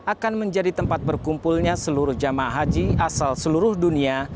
akan menjadi tempat berkumpulnya seluruh jemaah haji asal seluruh dunia